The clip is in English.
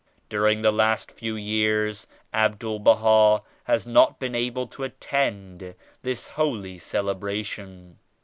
During the last few years Abdul Baha has not been able to attend this holy celebration.